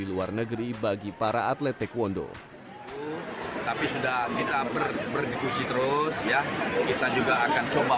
luar negeri bagi para atlet taekwondo tapi sudah kita berdiskusi terus ya kita juga akan coba